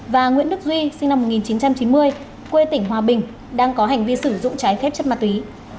và nguyễn đức duy sinh năm một nghìn chín trăm chín mươi quê tỉnh hòa bình đang có hành vi sử dụng trái phép chất ma túy